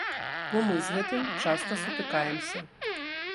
Бо мы з гэтым часта сутыкаемся.